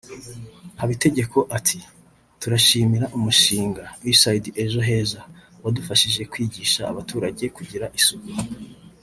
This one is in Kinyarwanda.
Habitegeko ati “Turashimira umushinga ‘Usaid Ejo Heza’ wadufashije kwigisha abaturage kugira isuku